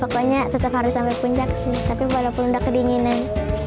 pokoknya tetap harus sampai puncak sih tapi walaupun udah kedinginan